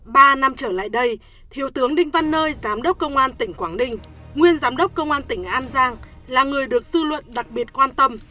ba năm trở lại đây thiếu tướng đinh văn nơi giám đốc công an tỉnh quảng ninh nguyên giám đốc công an tỉnh an giang là người được sư luận đặc biệt quan tâm